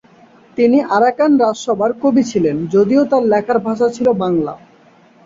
তিনি আরাকান রাজসভার কবি ছিলেন, যদিও তার লেখার ভাষা ছিলো বাংলা।